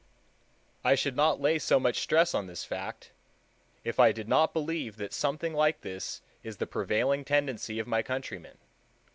I should not lay so much stress on this fact, if I did not believe that something like this is the prevailing tendency of my countrymen.